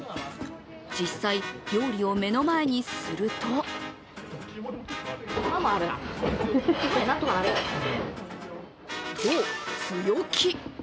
実際、料理を目の前にするとと、強気。